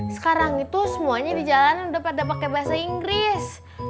sekarang itu semuanya di jalan udah pada pakai bahasa inggris